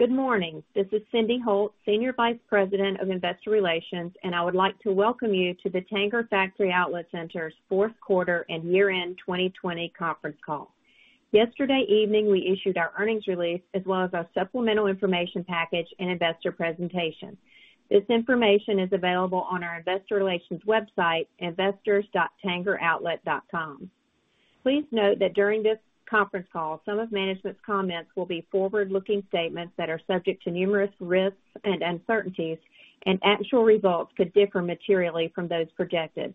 Good morning. This is Cyndi Holt, Senior Vice President of Investor Relations. I would like to welcome you to the Tanger Factory Outlet Centers' fourth quarter and year-end 2020 conference call. Yesterday evening, we issued our earnings release, as well as our supplemental information package and investor presentation. This information is available on our investor relations website, investors.tangeroutlet.com. Please note that during this conference call, some of management's comments will be forward-looking statements that are subject to numerous risks and uncertainties. Actual results could differ materially from those projected.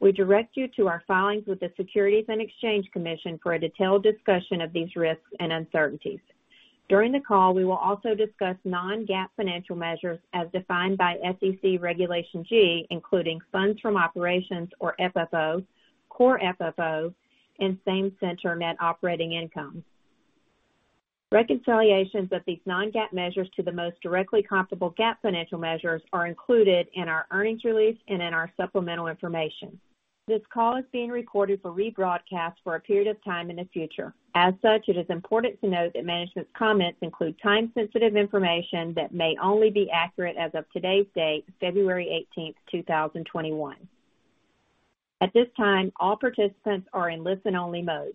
We direct you to our filings with the Securities and Exchange Commission for a detailed discussion of these risks and uncertainties. During the call, we will also discuss non-GAAP financial measures as defined by SEC Regulation G, including Funds From Operations or FFO, Core FFO, and Same-Center Net Operating Income. Reconciliations of these non-GAAP measures to the most directly comparable GAAP financial measures are included in our earnings release and in our supplemental information. This call is being recorded for rebroadcast for a period of time in the future. As such, it is important to note that management's comments include time-sensitive information that may only be accurate as of today's date, February 18th, 2021. At this time, all participants are in listen-only mode.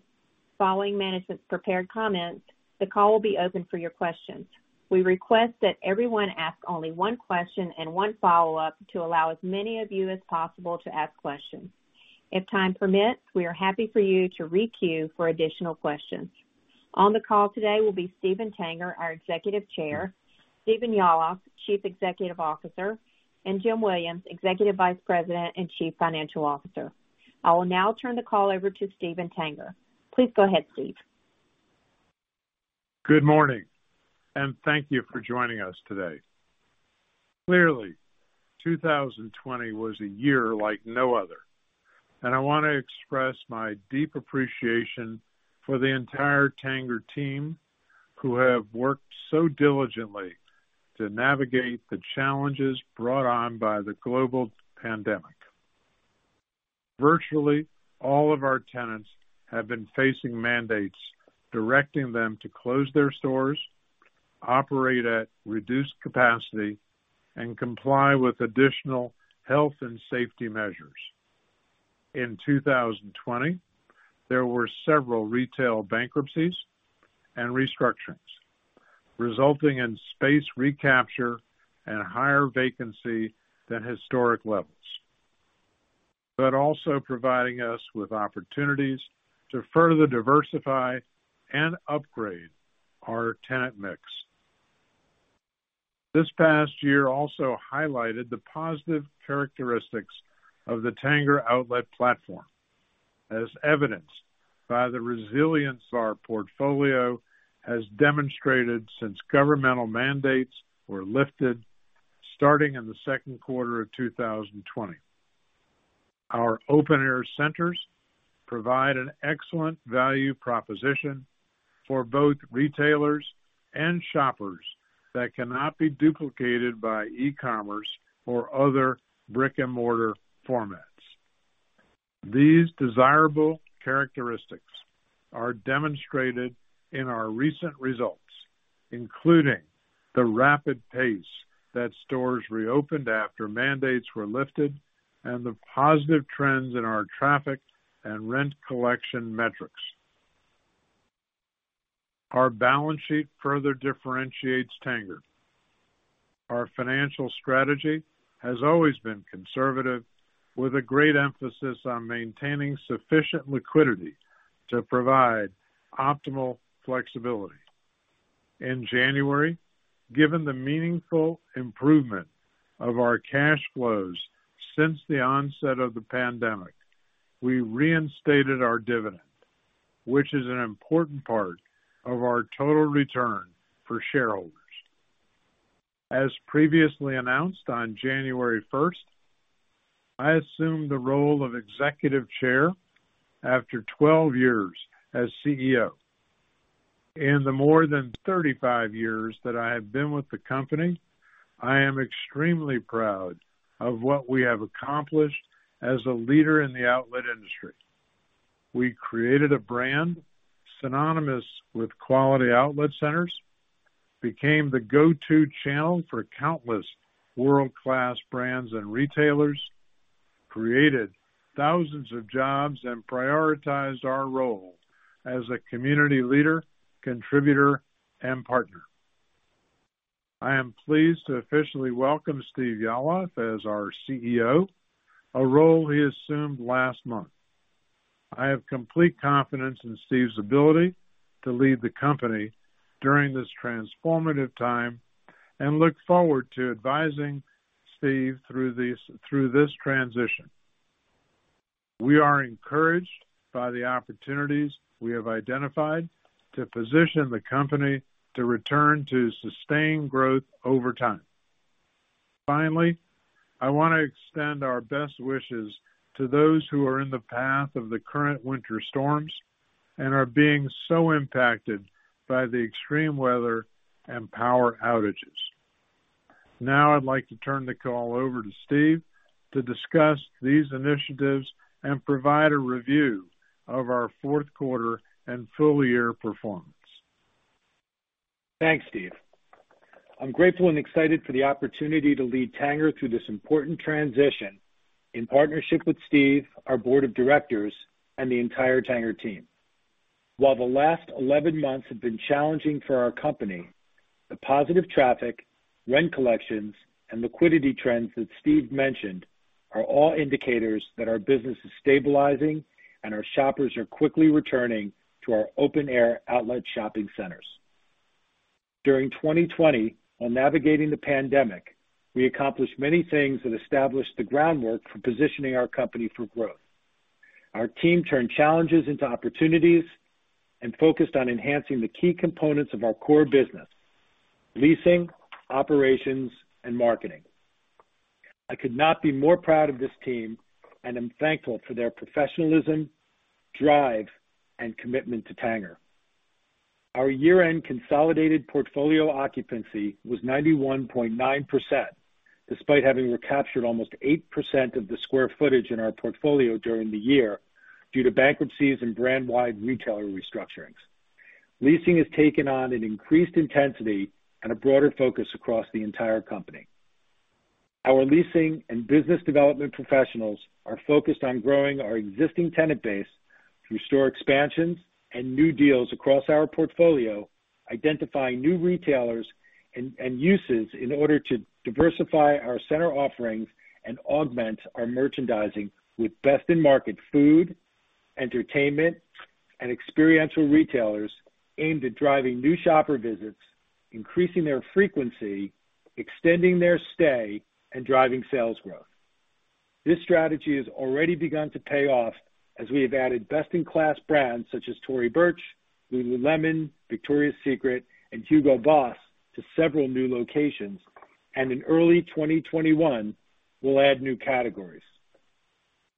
Following management's prepared comments, the call will be open for your questions. We request that everyone ask only one question and one follow-up to allow as many of you as possible to ask questions. If time permits, we are happy for you to re-queue for additional questions. On the call today will be Steven Tanger, our Executive Chair, Steven Yalof, Chief Executive Officer, and Jim Williams, Executive Vice President and Chief Financial Officer. I will now turn the call over to Steven Tanger. Please go ahead, Steve. Good morning. Thank you for joining us today. Clearly, 2020 was a year like no other. I want to express my deep appreciation for the entire Tanger team, who have worked so diligently to navigate the challenges brought on by the global pandemic. Virtually all of our tenants have been facing mandates directing them to close their stores, operate at reduced capacity, and comply with additional health and safety measures. In 2020, there were several retail bankruptcies and restructurings, resulting in space recapture and higher vacancy than historic levels, but also providing us with opportunities to further diversify and upgrade our tenant mix. This past year also highlighted the positive characteristics of the Tanger Outlet platform, as evidenced by the resilience our portfolio has demonstrated since governmental mandates were lifted starting in the second quarter of 2020. Our open-air centers provide an excellent value proposition for both retailers and shoppers that cannot be duplicated by e-commerce or other brick-and-mortar formats. These desirable characteristics are demonstrated in our recent results, including the rapid pace that stores reopened after mandates were lifted and the positive trends in our traffic and rent collection metrics. Our balance sheet further differentiates Tanger. Our financial strategy has always been conservative, with a great emphasis on maintaining sufficient liquidity to provide optimal flexibility. In January, given the meaningful improvement of our cash flows since the onset of the pandemic, we reinstated our dividend, which is an important part of our total return for shareholders. As previously announced on January 1st, I assumed the role of Executive Chair after 12 years as CEO. In the more than 35 years that I have been with the company, I am extremely proud of what we have accomplished as a leader in the outlet industry. We created a brand synonymous with quality outlet centers, became the go-to channel for countless world-class brands and retailers, created thousands of jobs, and prioritized our role as a community leader, contributor, and partner. I am pleased to officially welcome Steve Yalof as our CEO, a role he assumed last month. I have complete confidence in Steve's ability to lead the company during this transformative time and look forward to advising Steve through this transition. We are encouraged by the opportunities we have identified to position the company to return to sustained growth over time. Finally, I want to extend our best wishes to those who are in the path of the current winter storms and are being so impacted by the extreme weather and power outages. I'd like to turn the call over to Steve to discuss these initiatives and provide a review of our fourth quarter and full-year performance. Thanks, Steve. I'm grateful and excited for the opportunity to lead Tanger through this important transition in partnership with Steve, our board of directors, and the entire Tanger team. While the last 11 months have been challenging for our company, the positive traffic, rent collections, and liquidity trends that Steve mentioned are all indicators that our business is stabilizing and our shoppers are quickly returning to our open air outlet shopping centers. During 2020, while navigating the pandemic, we accomplished many things that established the groundwork for positioning our company for growth. Our team turned challenges into opportunities and focused on enhancing the key components of our core business, leasing, operations, and marketing. I could not be more proud of this team, and I'm thankful for their professionalism, drive, and commitment to Tanger. Our year-end consolidated portfolio occupancy was 91.9%, despite having recaptured almost 8% of the square footage in our portfolio during the year due to bankruptcies and brand-wide retailer restructurings. Leasing has taken on an increased intensity and a broader focus across the entire company. Our leasing and business development professionals are focused on growing our existing tenant base through store expansions and new deals across our portfolio, identifying new retailers and uses in order to diversify our center offerings and augment our merchandising with best-in-market food, entertainment, and experiential retailers aimed at driving new shopper visits, increasing their frequency, extending their stay, and driving sales growth. This strategy has already begun to pay off as we have added best-in-class brands such as Tory Burch, Lululemon, Victoria's Secret, and Hugo Boss to several new locations. In early 2021, we'll add new categories.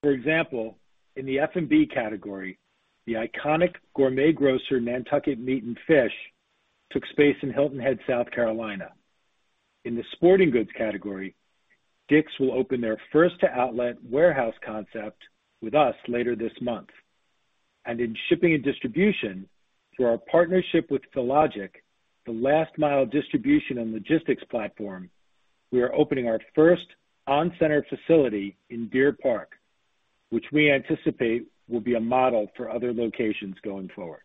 For example, in the F&B category, the iconic gourmet grocer Nantucket Meat and Fish took space in Hilton Head, South Carolina. In the sporting goods category, Dick's will open their first outlet warehouse concept with us later this month. In shipping and distribution, through our partnership with Fillogic, the last-mile distribution and logistics platform, we are opening our first on-center facility in Deer Park, which we anticipate will be a model for other locations going forward.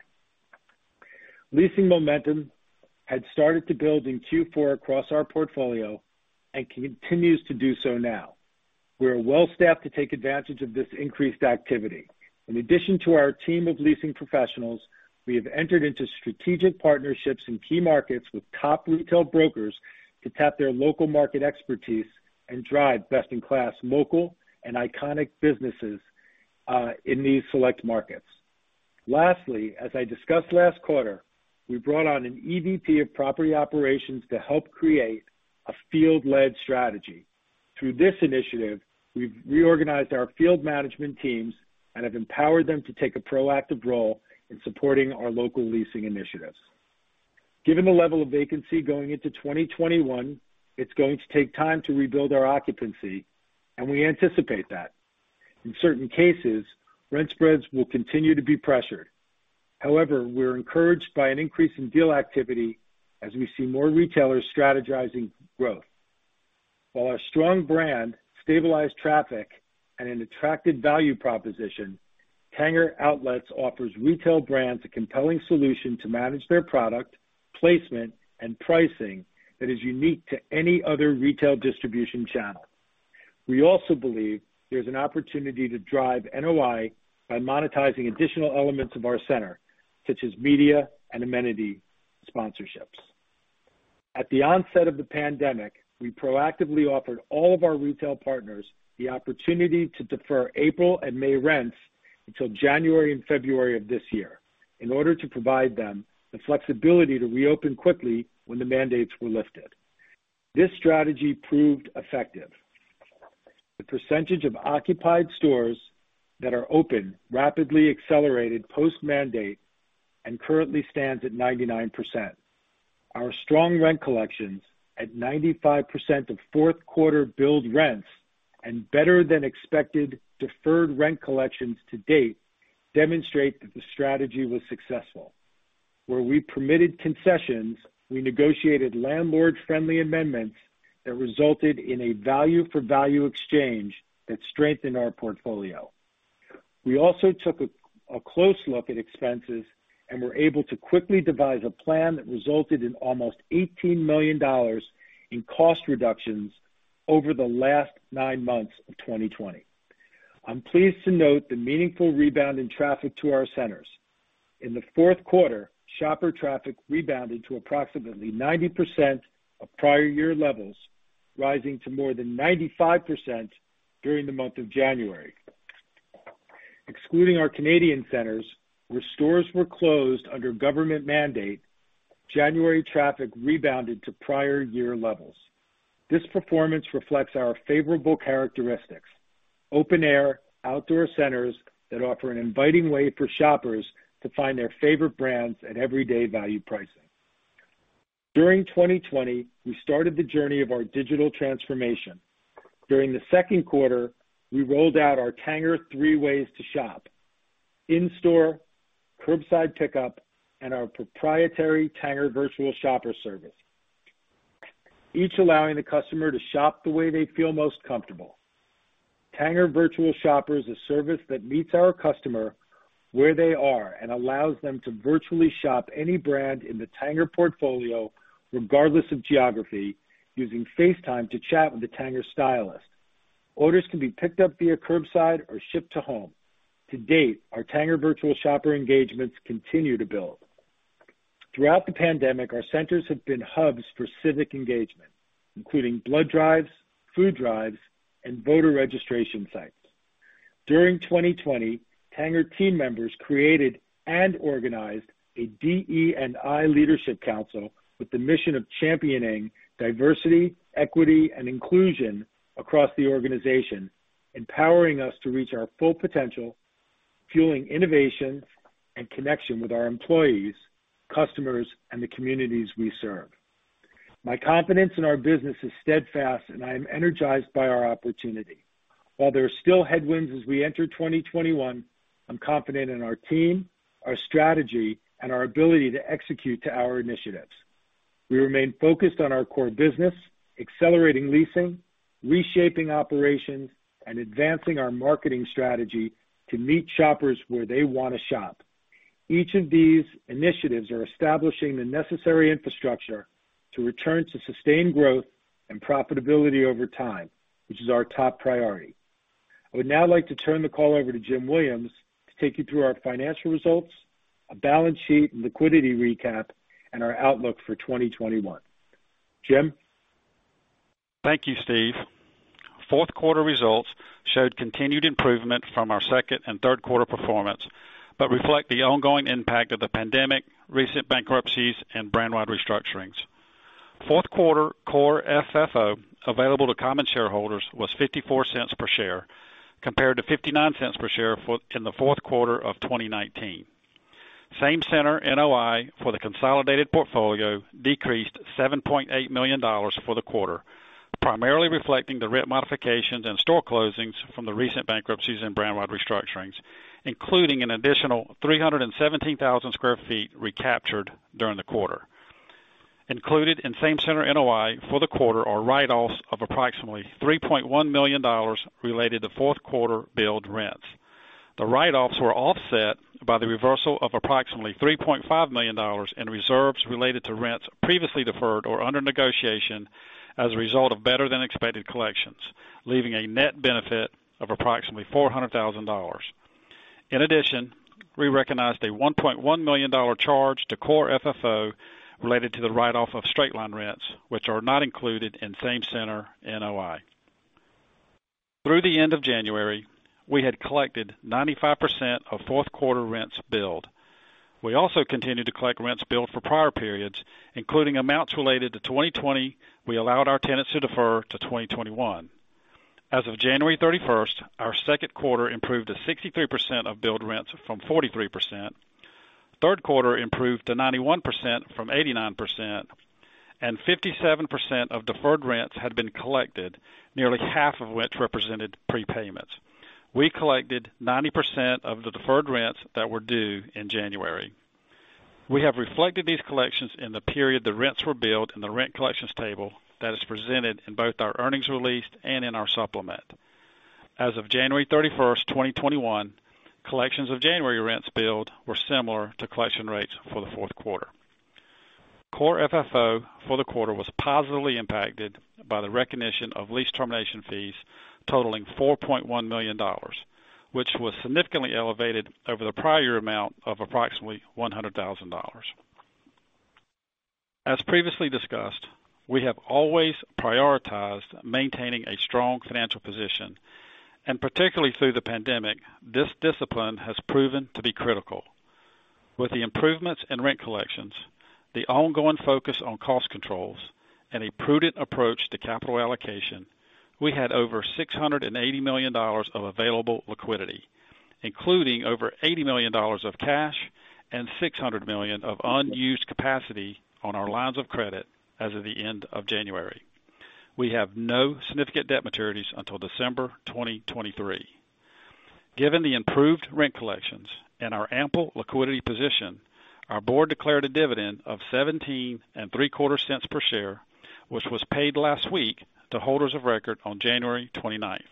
Leasing momentum had started to build in Q4 across our portfolio and continues to do so now. We are well-staffed to take advantage of this increased activity. In addition to our team of leasing professionals, we have entered into strategic partnerships in key markets with top retail brokers to tap their local market expertise and drive best-in-class local and iconic businesses, in these select markets. Lastly, as I discussed last quarter, we brought on an EVP of property operations to help create a field-led strategy. Through this initiative, we've reorganized our field management teams and have empowered them to take a proactive role in supporting our local leasing initiatives. Given the level of vacancy going into 2021, it's going to take time to rebuild our occupancy, and we anticipate that. In certain cases, rent spreads will continue to be pressured. However, we're encouraged by an increase in deal activity as we see more retailers strategizing growth. While our strong brand stabilized traffic and an attractive value proposition, Tanger Outlets offers retail brands a compelling solution to manage their product, placement, and pricing that is unique to any other retail distribution channel. We also believe there's an opportunity to drive NOI by monetizing additional elements of our center, such as media and amenity sponsorships. At the onset of the pandemic, we proactively offered all of our retail partners the opportunity to defer April and May rents until January and February of this year in order to provide them the flexibility to reopen quickly when the mandates were lifted. This strategy proved effective. The percentage of occupied stores that are open rapidly accelerated post-mandate and currently stands at 99%. Our strong rent collections at 95% of fourth quarter billed rents and better-than-expected deferred rent collections to date demonstrate that the strategy was successful. Where we permitted concessions, we negotiated landlord-friendly amendments that resulted in a value-for-value exchange that strengthened our portfolio. We also took a close look at expenses and were able to quickly devise a plan that resulted in almost $18 million in cost reductions over the last nine months of 2020. I'm pleased to note the meaningful rebound in traffic to our centers. In the fourth quarter, shopper traffic rebounded to approximately 90% of prior year levels, rising to more than 95% during the month of January. Excluding our Canadian centers, where stores were closed under government mandate, January traffic rebounded to prior year levels. This performance reflects our favorable characteristics. Open air outdoor centers that offer an inviting way for shoppers to find their favorite brands at everyday value pricing. During 2020, we started the journey of our digital transformation. During the second quarter, we rolled out our Tanger Three Ways to Shop, in-store, curbside pickup, and our proprietary Tanger Virtual Shopper service, each allowing the customer to shop the way they feel most comfortable. Tanger Virtual Shopper is a service that meets our customer where they are and allows them to virtually shop any brand in the Tanger portfolio, regardless of geography, using FaceTime to chat with a Tanger stylist. Orders can be picked up via curbside or shipped to home. To date, our Tanger Virtual Shopper engagements continue to build. Throughout the pandemic, our centers have been hubs for civic engagement, including blood drives, food drives, and voter registration sites. During 2020, Tanger team members created and organized a DE&I leadership council with the mission of championing diversity, equity, and inclusion across the organization, empowering us to reach our full potential, fueling innovation and connection with our employees, customers, and the communities we serve. My confidence in our business is steadfast, and I am energized by our opportunity. While there are still headwinds as we enter 2021, I'm confident in our team, our strategy, and our ability to execute to our initiatives. We remain focused on our core business, accelerating leasing, reshaping operations, and advancing our marketing strategy to meet shoppers where they want to shop. Each of these initiatives are establishing the necessary infrastructure to return to sustained growth and profitability over time, which is our top priority. I would now like to turn the call over to Jim Williams to take you through our financial results, a balance sheet and liquidity recap, and our outlook for 2021. Jim? Thank you, Steve. Fourth quarter results showed continued improvement from our second and third quarter performance, but reflect the ongoing impact of the pandemic, recent bankruptcies, and brand-wide restructurings. Fourth quarter Core FFO available to common shareholders was $0.54 per share, compared to $0.59 per share in the fourth quarter of 2019. Same Center NOI for the consolidated portfolio decreased $7.8 million for the quarter, primarily reflecting the rent modifications and store closings from the recent bankruptcies and brand-wide restructurings, including an additional 317,000 sq ft recaptured during the quarter. Included in Same Center NOI for the quarter are write-offs of approximately $3.1 million related to fourth quarter billed rents. The write-offs were offset by the reversal of approximately $3.5 million in reserves related to rents previously deferred or under negotiation as a result of better than expected collections, leaving a net benefit of approximately $400,000. In addition, we recognized a $1.1 million charge to Core FFO related to the write-off of straight-line rents, which are not included in Same Center NOI. Through the end of January, we had collected 95% of fourth quarter rents billed. We also continued to collect rents billed for prior periods, including amounts related to 2020 we allowed our tenants to defer to 2021. As of January 31st, our second quarter improved to 63% of billed rents from 43%, third quarter improved to 91% from 89%, and 57% of deferred rents had been collected, nearly half of which represented prepayments. We collected 90% of the deferred rents that were due in January. We have reflected these collections in the period the rents were billed in the rent collections table that is presented in both our earnings release and in our supplement. As of January 31st, 2021, collections of January rents billed were similar to collection rates for the fourth quarter. Core FFO for the quarter was positively impacted by the recognition of lease termination fees totaling $4.1 million, which was significantly elevated over the prior year amount of approximately $100,000. As previously discussed, we have always prioritized maintaining a strong financial position, particularly through the pandemic, this discipline has proven to be critical. With the improvements in rent collections, the ongoing focus on cost controls, and a prudent approach to capital allocation, we had over $680 million of available liquidity, including over $80 million of cash and $600 million of unused capacity on our lines of credit as of the end of January. We have no significant debt maturities until December 2023. Given the improved rent collections and our ample liquidity position, our board declared a dividend of 17 and three quarter cents per share, which was paid last week to holders of record on January 29th.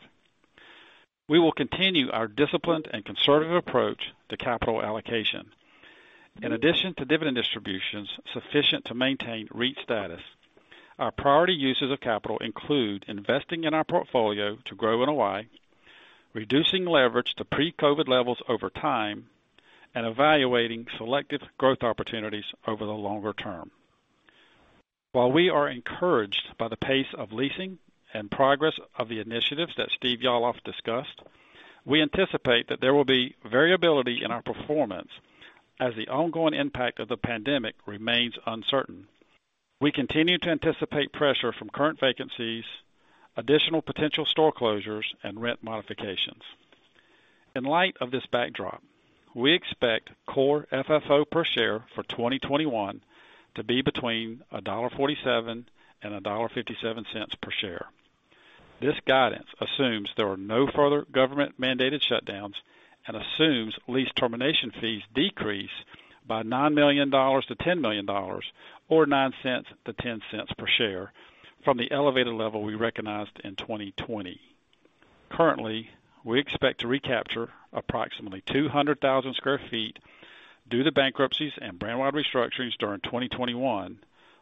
We will continue our disciplined and conservative approach to capital allocation. In addition to dividend distributions sufficient to maintain REIT status, our priority uses of capital include investing in our portfolio to grow NOI, reducing leverage to pre-COVID levels over time, and evaluating selective growth opportunities over the longer term. While we are encouraged by the pace of leasing and progress of the initiatives that Steve Yalof discussed, we anticipate that there will be variability in our performance as the ongoing impact of the pandemic remains uncertain. We continue to anticipate pressure from current vacancies, additional potential store closures, and rent modifications. In light of this backdrop, we expect Core FFO per share for 2021 to be between $1.47 and $1.57 per share. This guidance assumes there are no further government-mandated shutdowns and assumes lease termination fees decrease by $9 million-$10 million, or $0.09-$0.10 per share from the elevated level we recognized in 2020. Currently, we expect to recapture approximately 200,000 sq ft due to bankruptcies and brand-wide restructurings during 2021,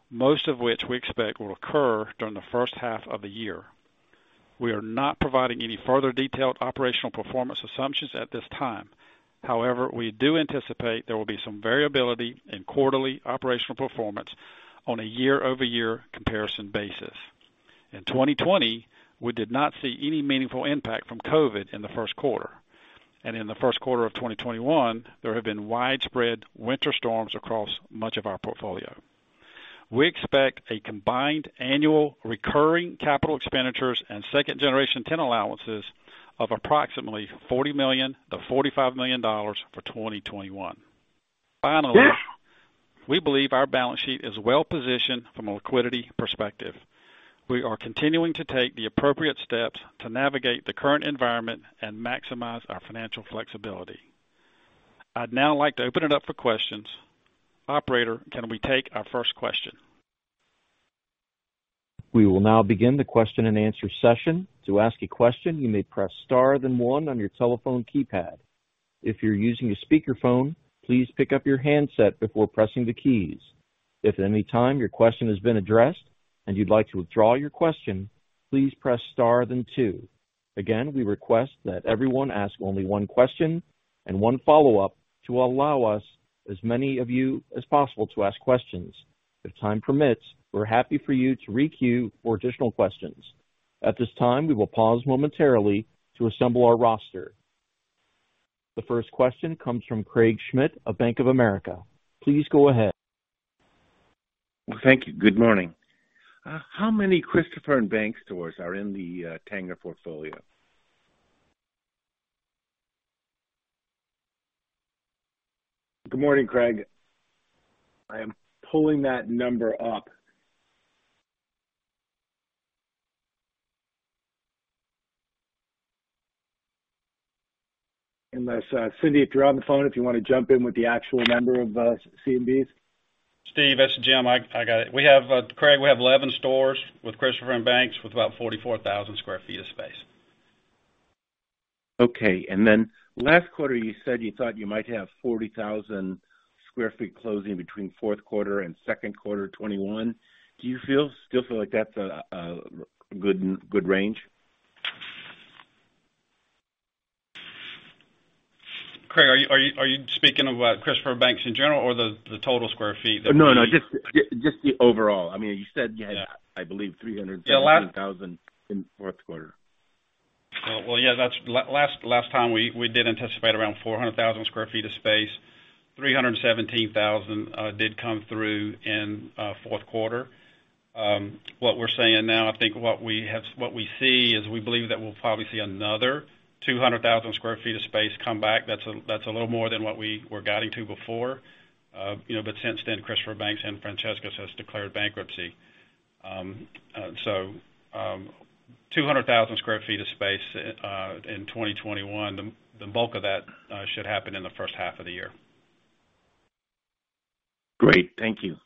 most of which we expect will occur during the first half of the year. We are not providing any further detailed operational performance assumptions at this time. However, we do anticipate there will be some variability in quarterly operational performance on a year-over-year comparison basis. In 2020, we did not see any meaningful impact from COVID in the first quarter. In the first quarter of 2021, there have been widespread winter storms across much of our portfolio. We expect a combined annual recurring capital expenditures and second-generation tenant allowances of approximately $40 million-$45 million for 2021. Finally, we believe our balance sheet is well-positioned from a liquidity perspective. We are continuing to take the appropriate steps to navigate the current environment and maximize our financial flexibility. I'd now like to open it up for questions. Operator, can we take our first question? We will now begin the question and answer session. To ask a question, you may press star and one on your telephone keypad. If you're using a speakerphone, please pick up your handset before pressing the keys. If at any time your question has been addressed and you'd like to withdraw your question, please press star and two. Again, we request that everyone ask only one question and one follow-up to allow us as many of you as possible to ask questions. If time permits, we're happy for you to re-queue for additional questions. At this time, we will pause momentarily to assemble our roster. The first question comes from Craig Schmidt of Bank of America. Please go ahead. Well, thank you. Good morning. How many Christopher & Banks stores are in the Tanger portfolio? Good morning, Craig. I am pulling that number up. Unless, Cyndy, if you're on the phone, if you want to jump in with the actual number of C&Bs. Steve, this is Jim. I got it. Craig, we have 11 stores with Christopher & Banks with about 44,000 sq ft of space. Okay. Last quarter, you said you thought you might have 40,000 square feet closing between Q4 and Q2 2021. Do you still feel like that's a good range? Craig, are you speaking of Christopher & Banks in general or the total square feet? No, just the overall. You said you had, I believe, $317,000 in Q4. Well, yeah. Last time, we did anticipate around 400,000 sq ft of space. 317,000 did come through in Q4. What we're saying now, I think what we see is we believe that we'll probably see another 200,000 sq ft of space come back. That's a little more than what we were guiding to before. Since then, Christopher & Banks and Francesca's has declared bankruptcy. 200,000 sq ft of space in 2021. The bulk of that should happen in the first half of the year. Great. Thank you.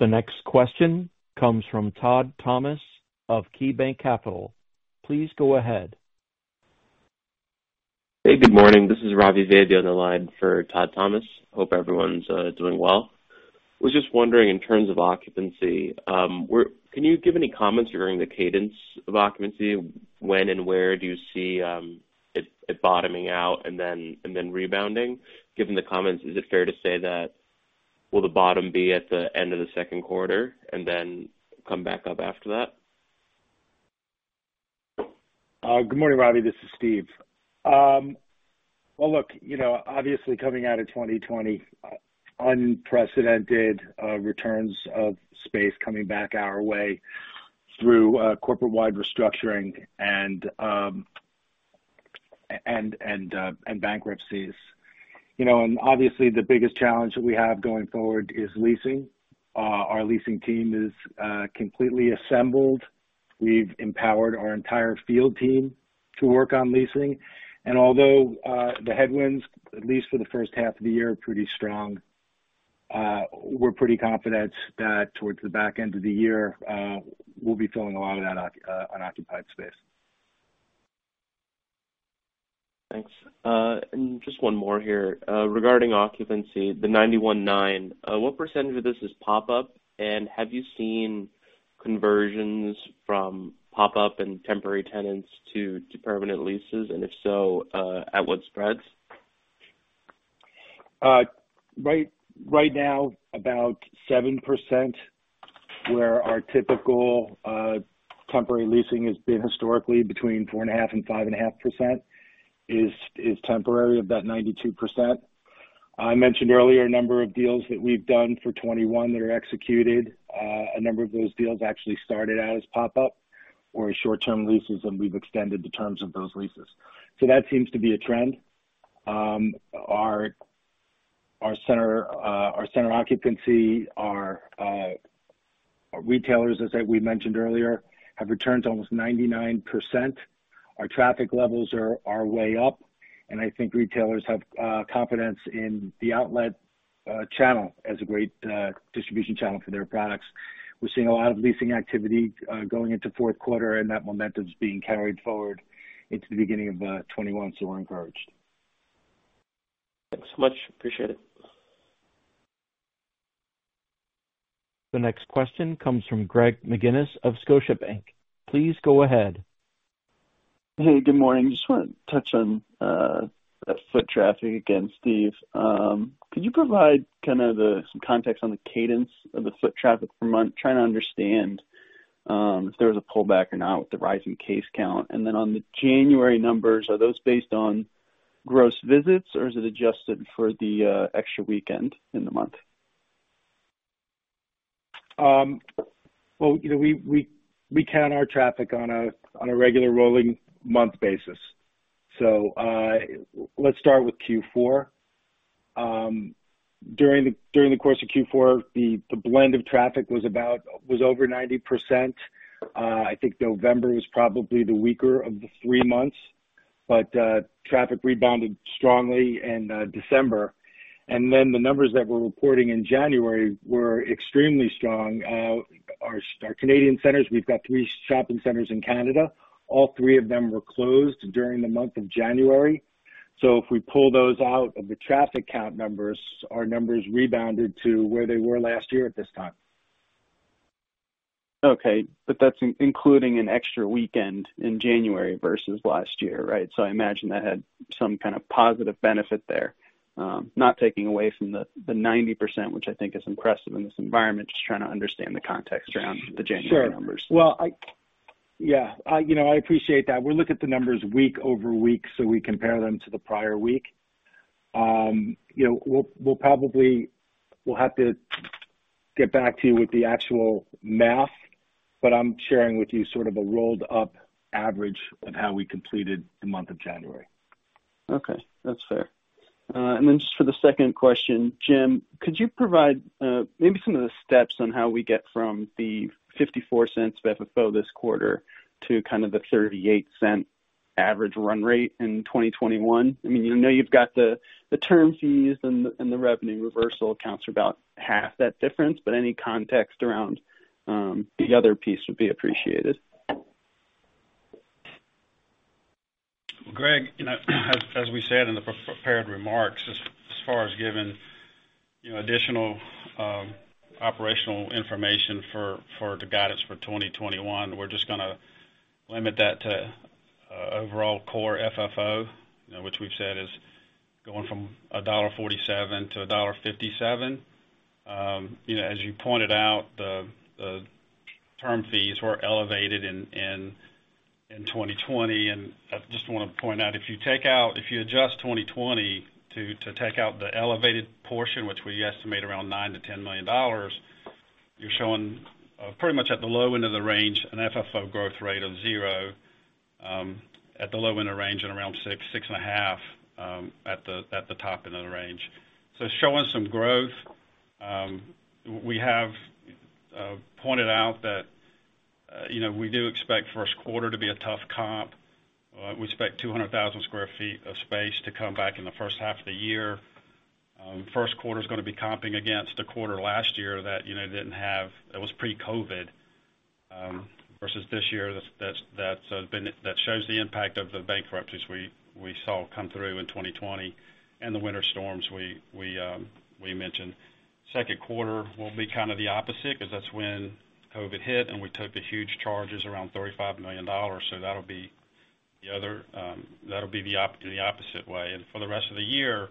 The next question comes from Todd Thomas of KeyBanc Capital. Please go ahead. Hey. Good morning. This is Ravi Vaidya on the line for Todd Thomas. Hope everyone's doing well. Was just wondering in terms of occupancy, can you give any comments regarding the cadence of occupancy? When and where do you see it bottoming out and then rebounding? Given the comments, is it fair to say that will the bottom be at the end of the second quarter and then come back up after that? Good morning, Ravi. This is Steve. Well, look, obviously coming out of 2020, unprecedented returns of space coming back our way through corporate-wide restructuring and bankruptcies. Obviously, the biggest challenge that we have going forward is leasing. Our leasing team is completely assembled. We've empowered our entire field team to work on leasing. Although the headwinds, at least for the first half of the year, are pretty strong, we're pretty confident that towards the back end of the year, we'll be filling a lot of that unoccupied space. Thanks. Just one more here. Regarding occupancy, the 91.9%, what percentage of this is pop-up, and have you seen conversions from pop-up and temporary tenants to permanent leases? If so, at what spreads? Right now, about 7%. Where our typical temporary leasing has been historically between 4.5% and 5.5% is temporary, about 92%. I mentioned earlier a number of deals that we've done for 2021 that are executed. A number of those deals actually started as pop-up or as short-term leases, and we've extended the terms of those leases. That seems to be a trend. Our center occupancy, our retailers, as we mentioned earlier, have returned to almost 99%. Our traffic levels are way up, and I think retailers have confidence in the outlet channel as a great distribution channel for their products. We're seeing a lot of leasing activity going into fourth quarter, and that momentum is being carried forward into the beginning of 2021, so we're encouraged. Thanks so much. Appreciate it. The next question comes from Greg McGinniss of Scotiabank. Please go ahead. Hey, good morning. Just want to touch on foot traffic again, Steve. Could you provide kind of some context on the cadence of the foot traffic per month? Trying to understand if there was a pullback or not with the rise in case count. On the January numbers, are those based on gross visits or is it adjusted for the extra weekend in the month? Well, we count our traffic on a regular rolling month basis. Let's start with Q4. During the course of Q4, the blend of traffic was over 90%. I think November was probably the weaker of the three months, but traffic rebounded strongly in December. The numbers that we're reporting in January were extremely strong. Our Canadian centers, we've got three shopping centers in Canada. All three of them were closed during the month of January. If we pull those out of the traffic count numbers, our numbers rebounded to where they were last year at this time. Okay. That's including an extra weekend in January versus last year, right? I imagine that had some kind of positive benefit there. Not taking away from the 90%, which I think is impressive in this environment, just trying to understand the context around the January numbers. Sure. Well, yeah. I appreciate that. We look at the numbers week-over-week, so we compare them to the prior week. We'll have to get back to you with the actual math, but I'm sharing with you sort of a rolled-up average of how we completed the month of January. Okay. That's fair. Then just for the second question, Jim, could you provide maybe some of the steps on how we get from the $0.54 of FFO this quarter to kind of the $0.38 average run rate in 2021? I know you've got the term fees and the revenue reversal accounts for about half that difference, but any context around the other piece would be appreciated. Greg, as we said in the prepared remarks, as far as giving additional operational information for the guidance for 2021, we're just going to limit that to overall Core FFO, which we've said is going from $1.47 to $1.57. I just want to point out, if you adjust 2020 to take out the elevated portion, which we estimate around $9 million-$10 million, you're showing pretty much at the low end of the range, an FFO growth rate of zero, at the low end of the range and around six, 6.5 at the top end of the range. Showing some growth. We have pointed out that we do expect first quarter to be a tough comp. We expect 200,000 sq ft of space to come back in the first half of the year. First quarter's going to be comping against a quarter last year that was pre-COVID, versus this year that shows the impact of the bankruptcies we saw come through in 2020 and the winter storms we mentioned. Second quarter will be kind of the opposite because that's when COVID hit, and we took the huge charges around $35 million. That'll be the opposite way. For the rest of the year,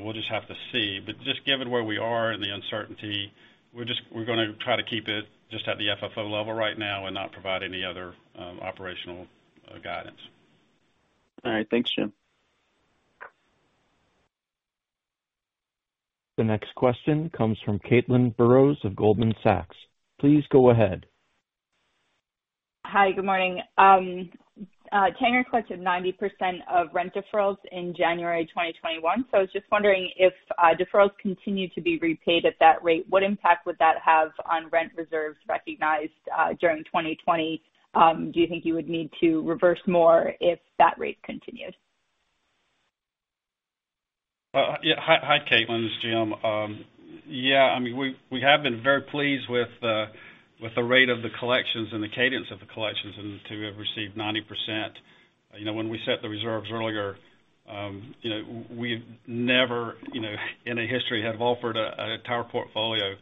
we'll just have to see. Just given where we are and the uncertainty, we're going to try to keep it just at the FFO level right now and not provide any other operational guidance. All right. Thanks, Jim. The next question comes from. Please go ahead. Hi. Good morning. Tanger collected 90% of rent deferrals in January 2021. I was just wondering if deferrals continue to be repaid at that rate, what impact would that have on rent reserves recognized during 2020? Do you think you would need to reverse more if that rate continues? Hi, Caitlin. It's Jim. Yeah, we have been very pleased with the rate of the collections and the cadence of the collections, to have received 90%. When we set the reserves earlier, we never in a history have offered our entire portfolio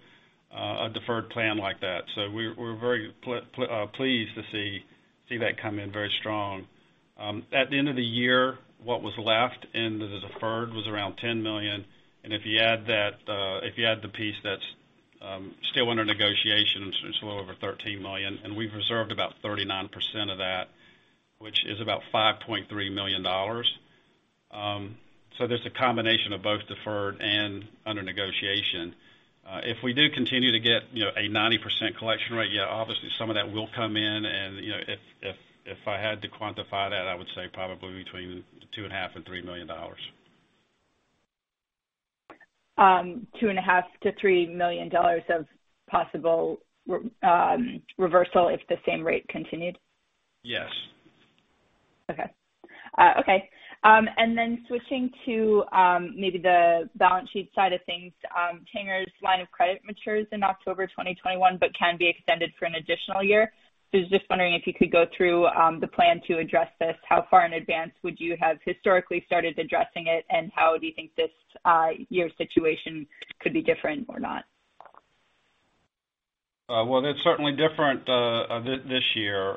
a deferred plan like that. We're very pleased to see that come in very strong. At the end of the year, what was left in the deferred was around $10 million. If you add the piece that's still under negotiation, it's a little over $13 million, and we've reserved about 39% of that, which is about $5.3 million. There's a combination of both deferred and under negotiation. If we do continue to get a 90% collection rate, yeah, obviously some of that will come in, and if I had to quantify that, I would say probably between $2.5 million and $3 million. $2.5 million to $3 million of possible reversal if the same rate continued? Yes. Okay. Switching to maybe the balance sheet side of things. Tanger's line of credit matures in October 2021 but can be extended for an additional year. I was just wondering if you could go through the plan to address this. How far in advance would you have historically started addressing it, and how do you think this year's situation could be different or not? Well, it's certainly different this year.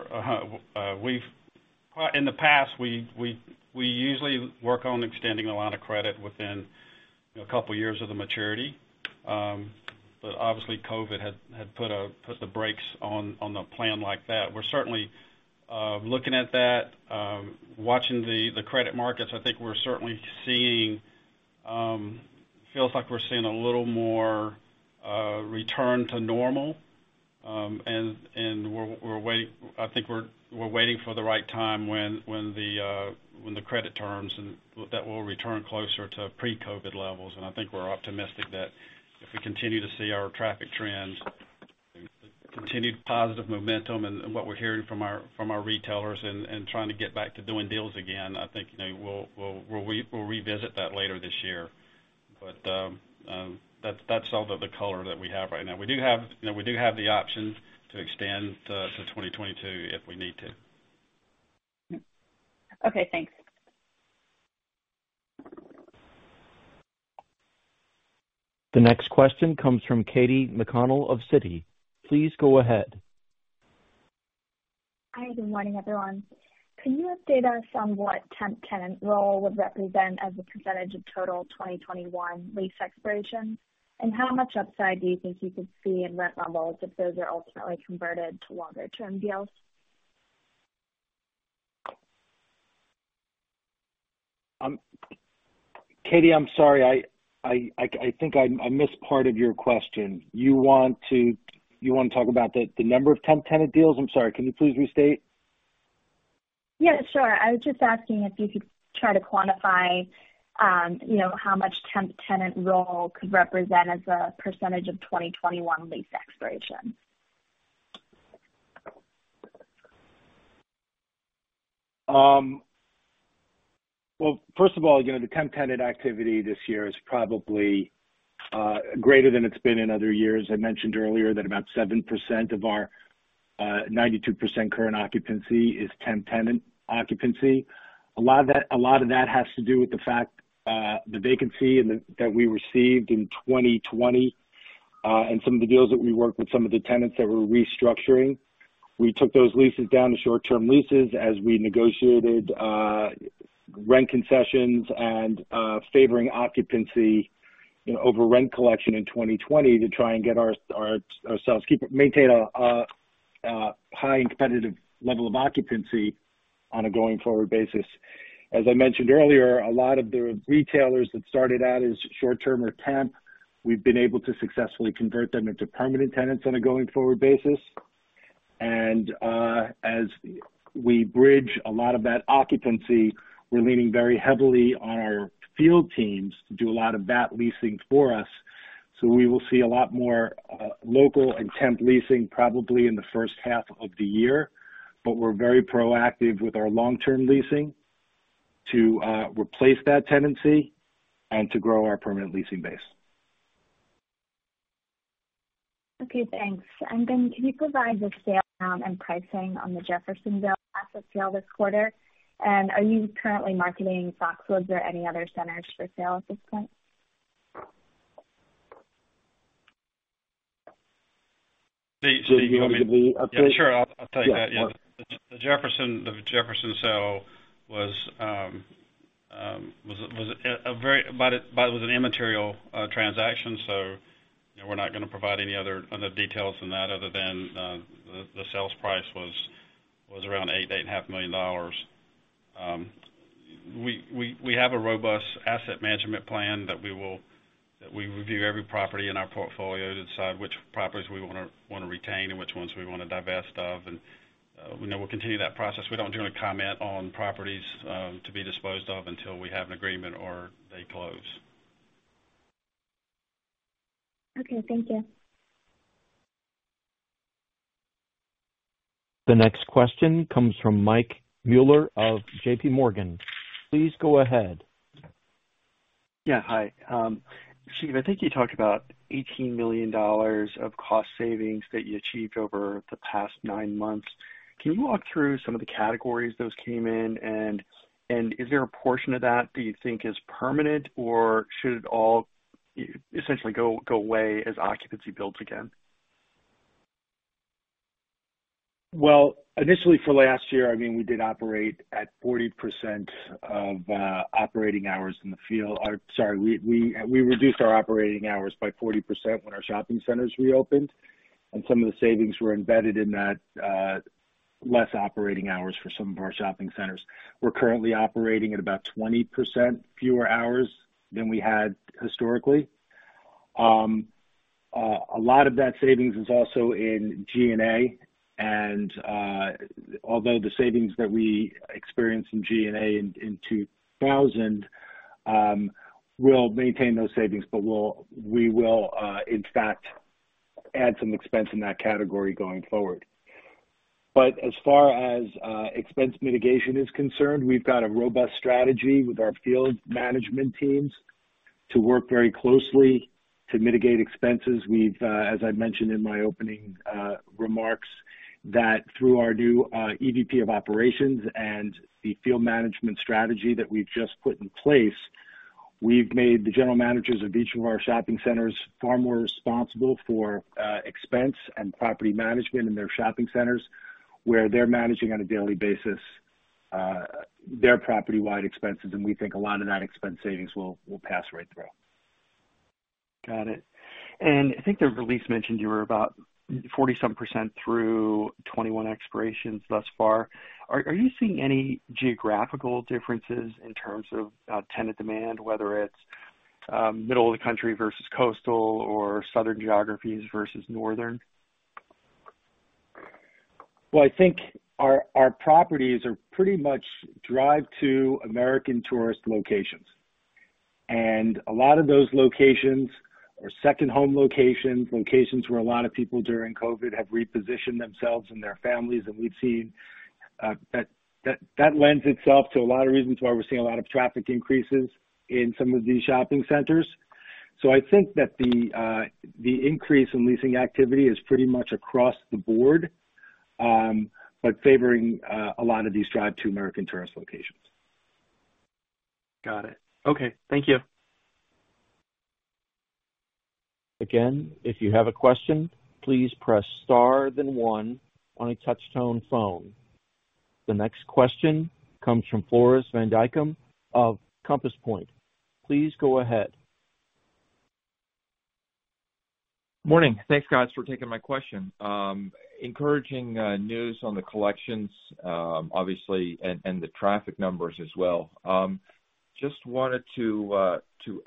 In the past, we usually work on extending a line of credit within a couple of years of the maturity. Obviously, COVID had put the brakes on the plan like that. We're certainly looking at that. Watching the credit markets, I think we're certainly seeing, feels like we're seeing a little more return to normal, I think we're waiting for the right time when the credit terms that will return closer to pre-COVID levels. I think we're optimistic that if we continue to see our traffic trends, continued positive momentum and what we're hearing from our retailers and trying to get back to doing deals again, I think we'll revisit that later this year. That's all of the color that we have right now. We do have the options to extend to 2022 if we need to. Okay, thanks. The next question comes from Katy McConnell of Citi. Please go ahead. Hi, good morning, everyone. Can you update us on what temp tenant roll would represent as a percentage of total 2021 lease expirations? How much upside do you think you could see in rent levels if those are ultimately converted to longer-term deals? Katy, I'm sorry, I think I missed part of your question. You want to talk about the number of temp tenant deals? I'm sorry, can you please restate? Yeah, sure. I was just asking if you could try to quantify how much temp tenant roll could represent as a percentage of 2021 lease expirations? First of all, the temp tenant activity this year is probably greater than it's been in other years. I mentioned earlier that about 7% of our 92% current occupancy is temp tenant occupancy. A lot of that has to do with the fact, the vacancy that we received in 2020, and some of the deals that we worked with some of the tenants that were restructuring. We took those leases down to short-term leases as we negotiated rent concessions and favoring occupancy over rent collection in 2020 to try and get ourselves, maintain a high and competitive level of occupancy on a going-forward basis. As I mentioned earlier, a lot of the retailers that started out as short-term or temp, we've been able to successfully convert them into permanent tenants on a going-forward basis. As we bridge a lot of that occupancy, we're leaning very heavily on our field teams to do a lot of that leasing for us. We will see a lot more local and temp leasing probably in the first half of the year. We're very proactive with our long-term leasing to replace that tenancy and to grow our permanent leasing base. Okay, thanks. Can you provide the sale amount and pricing on the Jeffersonville asset sale this quarter? Are you currently marketing Foxwoods or any other centers for sale at this point? Steve, you want me to? Steve, you want me to? Yeah, sure. I'll tell you that. Yeah. Yeah. Go ahead. The Jefferson sale was an immaterial transaction, so we're not going to provide any other details than that, other than the sales price was around $8.5 million. We have a robust asset management plan that we review every property in our portfolio to decide which properties we want to retain and which ones we want to divest of, and we'll continue that process. We don't generally comment on properties to be disposed of until we have an agreement or they close. Okay, thank you. The next question comes from Mike Mueller of JPMorgan. Please go ahead. Yeah, hi. Steve, I think you talked about $18 million of cost savings that you achieved over the past nine months. Can you walk through some of the categories those came in, and is there a portion of that you think is permanent, or should it all essentially go away as occupancy builds again? Initially for last year, we did operate at 40% of operating hours in the field. Sorry, we reduced our operating hours by 40% when our shopping centers reopened, and some of the savings were embedded in that less operating hours for some of our shopping centers. We're currently operating at about 20% fewer hours than we had historically. A lot of that savings is also in G&A, and although the savings that we experienced in G&A in 2000, we'll maintain those savings, but we will, in fact, add some expense in that category going forward. As far as expense mitigation is concerned, we've got a robust strategy with our field management teams to work very closely to mitigate expenses. As I mentioned in my opening remarks, that through our new EVP of operations and the field management strategy that we've just put in place, we've made the general managers of each of our shopping centers far more responsible for expense and property management in their shopping centers, where they're managing on a daily basis their property-wide expenses, and we think a lot of that expense savings will pass right through. Got it. I think the release mentioned you were about 47% through 21 expirations thus far. Are you seeing any geographical differences in terms of tenant demand, whether it's middle of the country versus coastal or southern geographies versus northern? I think our properties are pretty much drive-to American tourist locations. A lot of those locations are second home locations where a lot of people, during COVID, have repositioned themselves and their families, and we've seen that lends itself to a lot of reasons why we're seeing a lot of traffic increases in some of these shopping centers. I think that the increase in leasing activity is pretty much across the board, but favoring a lot of these drive-to American tourist locations. Got it. Okay. Thank you. Again, if you have a question, please press star then one on a touch-tone phone. The next question comes from Floris van Dijkum of Compass Point. Please go ahead. Morning. Thanks, guys, for taking my question. Encouraging news on the collections, obviously, and the traffic numbers as well. Just wanted to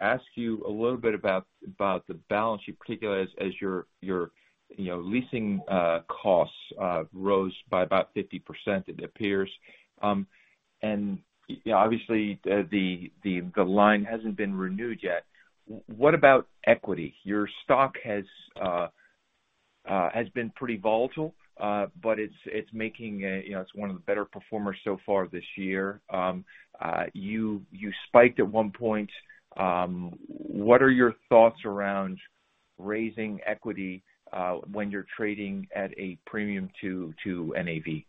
ask you a little bit about the balance you've taken as your leasing costs rose by about 50%, it appears. Obviously, the line hasn't been renewed yet. What about equity? Your stock has been pretty volatile, but it's one of the better performers so far this year. You spiked at one point. What are your thoughts around raising equity when you're trading at a premium to NAV?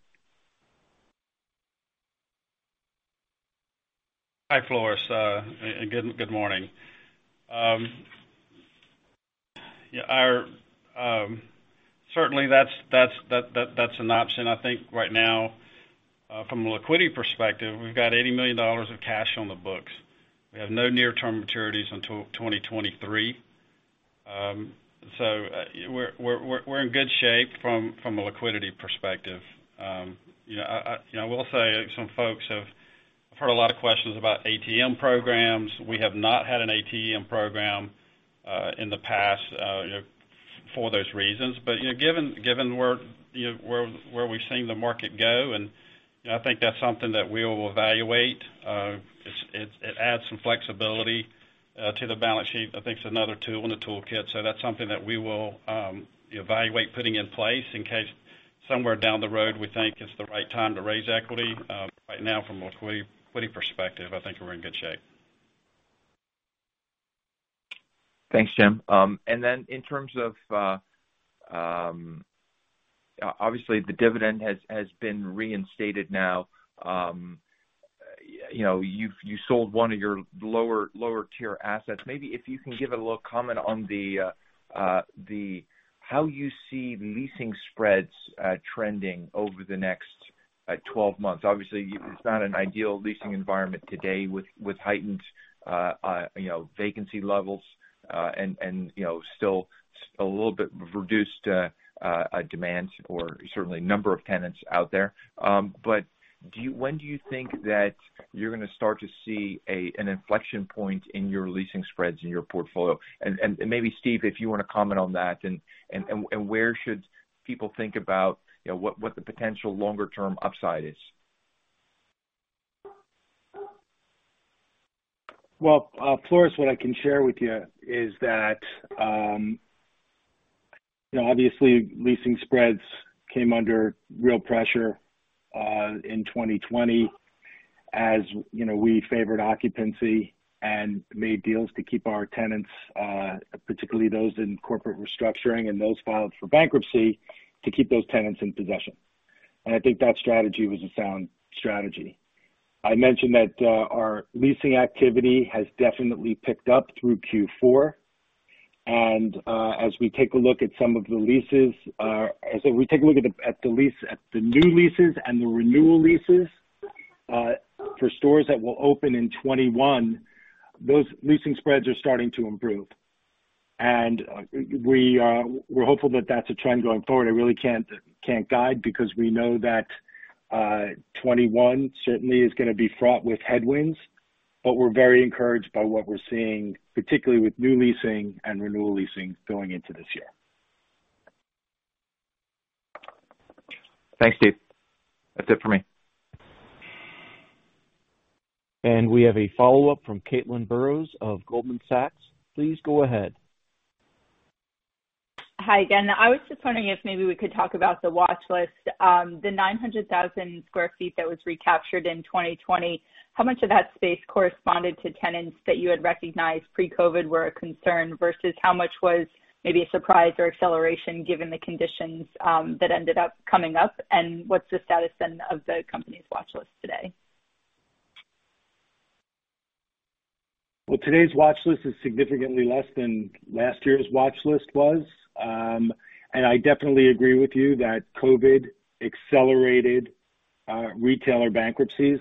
Hi, Floris. Good morning. Certainly, that's an option. I think right now, from a liquidity perspective, we've got $80 million of cash on the books. We have no near-term maturities until 2023. We're in good shape from a liquidity perspective. I will say some folks have heard a lot of questions about ATM programs. We have not had an ATM program in the past for those reasons. Given where we've seen the market go, and I think that's something that we will evaluate. It adds some flexibility to the balance sheet. I think it's another tool in the toolkit. That's something that we will evaluate putting in place in case somewhere down the road, we think it's the right time to raise equity. Right now, from a liquidity perspective, I think we're in good shape. Thanks, Jim. In terms of obviously, the dividend has been reinstated now. You sold one of your lower-tier assets. Maybe if you can give a little comment on how you see leasing spreads trending over the next 12 months. Obviously, it's not an ideal leasing environment today with heightened vacancy levels and still a little bit reduced demand or certainly number of tenants out there. When do you think that you're going to start to see an inflection point in your leasing spreads in your portfolio? Maybe, Steve, if you want to comment on that, and where should people think about what the potential longer-term upside is? Well, Floris, what I can share with you is that obviously, leasing spreads came under real pressure in 2020 as we favored occupancy and made deals to keep our tenants, particularly those in corporate restructuring and those filed for bankruptcy, to keep those tenants in possession. I think that strategy was a sound strategy. I mentioned that our leasing activity has definitely picked up through Q4. As we take a look at the new leases and the renewal leases for stores that will open in 2021, those leasing spreads are starting to improve. We're hopeful that that's a trend going forward. I really can't guide because we know that 2021 certainly is going to be fraught with headwinds, but we're very encouraged by what we're seeing, particularly with new leasing and renewal leasing going into this year. Thanks, Steve. That's it for me. We have a follow-up from Caitlin Burrows of Goldman Sachs. Please go ahead. Hi again. I was just wondering if maybe we could talk about the watchlist. The 900,000 square feet that was recaptured in 2020, how much of that space corresponded to tenants that you had recognized pre-COVID were a concern, versus how much was maybe a surprise or acceleration given the conditions that ended up coming up, and what's the status then of the company's watchlist today? Well, today's watchlist is significantly less than last year's watchlist was. I definitely agree with you that COVID accelerated retailer bankruptcies.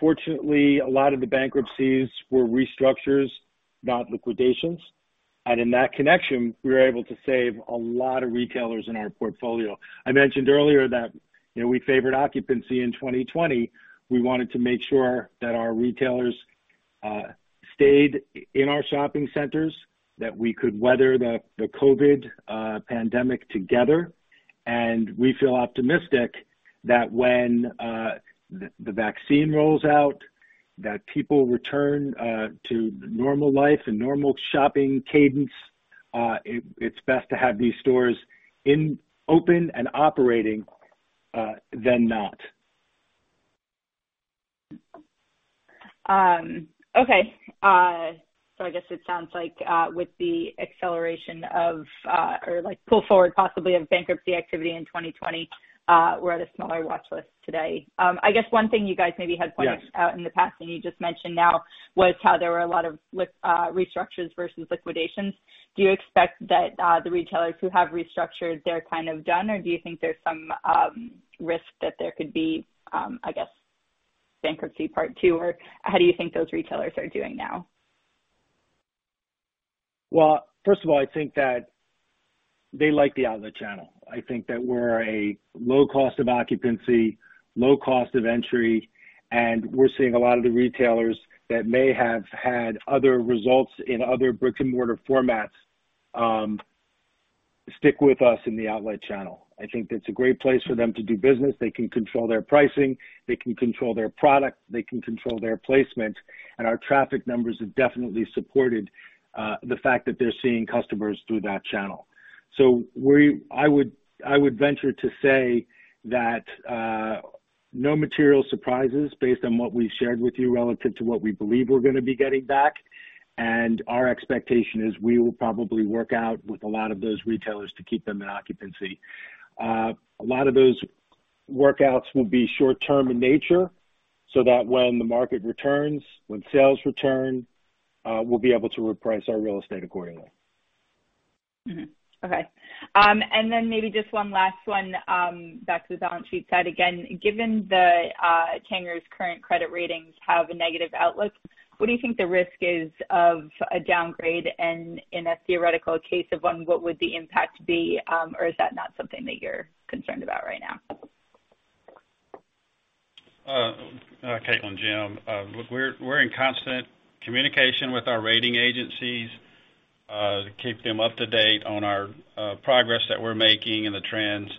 Fortunately, a lot of the bankruptcies were restructures, not liquidations. In that connection, we were able to save a lot of retailers in our portfolio. I mentioned earlier that we favored occupancy in 2020. We wanted to make sure that our retailers stayed in our shopping centers, that we could weather the COVID pandemic together, and we feel optimistic that when the vaccine rolls out, that people return to normal life and normal shopping cadence. It's best to have these stores open and operating, than not. I guess it sounds like with the acceleration of, or pull forward possibly of bankruptcy activity in 2020, we're at a smaller watchlist today. Yes out in the past and you just mentioned now was how there were a lot of restructures versus liquidations. Do you expect that the retailers who have restructured, they're kind of done, or do you think there's some risk that there could be, I guess, bankruptcy part two, or how do you think those retailers are doing now? First of all, I think that they like the outlet channel. I think that we're a low cost of occupancy, low cost of entry, and we're seeing a lot of the retailers that may have had other results in other brick-and-mortar formats, stick with us in the outlet channel. I think that's a great place for them to do business. They can control their pricing, they can control their product, they can control their placement, and our traffic numbers have definitely supported the fact that they're seeing customers through that channel. I would venture to say that no material surprises based on what we've shared with you relative to what we believe we're going to be getting back. Our expectation is we will probably work out with a lot of those retailers to keep them in occupancy. A lot of those workouts will be short-term in nature so that when the market returns, when sales return, we'll be able to reprice our real estate accordingly. Okay. Maybe just one last one back to the balance sheet side again. Given that Tanger's current credit ratings have a negative outlook, what do you think the risk is of a downgrade, and in a theoretical case of one, what would the impact be, or is that not something that you're concerned about right now? Caitlin, Jim, we're in constant communication with our rating agencies, to keep them up to date on our progress that we're making and the trends.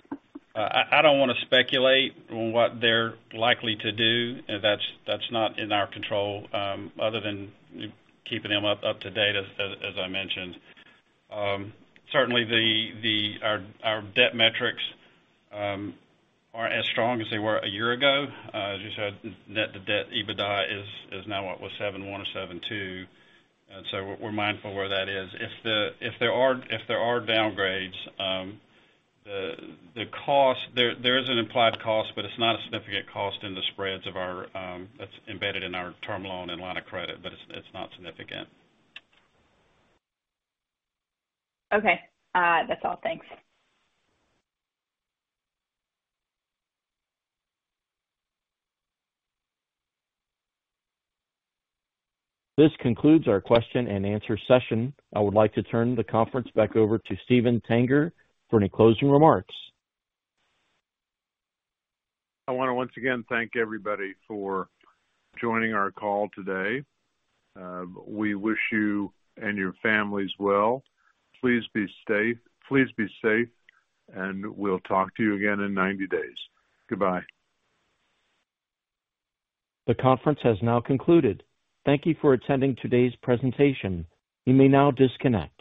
I don't want to speculate on what they're likely to do. That's not in our control other than keeping them up to date, as I mentioned. Certainly our debt metrics aren't as strong as they were a year ago. As you said, net debt to EBITDA is now what? 7.1 or 7.2. We're mindful where that is. If there are downgrades, there is an implied cost, but it's not a significant cost in the spreads that's embedded in our term loan and line of credit, but it's not significant. Okay. That's all. Thanks. This concludes our question and answer session. I would like to turn the conference back over to Steven Tanger for any closing remarks. I want to once again thank everybody for joining our call today. We wish you and your families well. Please be safe, and we'll talk to you again in 90 days. Goodbye. The conference has now concluded. Thank you for attending today's presentation. You may now disconnect.